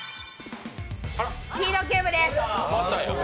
スピードキューブです。